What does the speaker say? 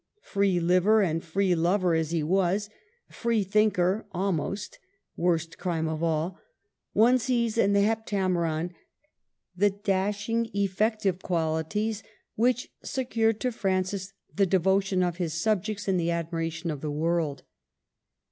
Free liver and free lover as he was, free thinker almost (worst crime of all), one sees in the '' Hep tameron " the dashing, effective qualities which secured to Francis the devotion of his subjects and the admiration of the world.